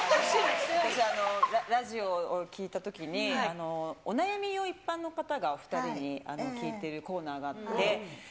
私、ラジオを聞いたときに、お悩みを一般の方がお２人に聞いてるコーナーがあって。